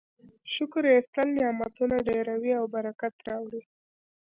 شکر ایستل نعمتونه ډیروي او برکت راوړي.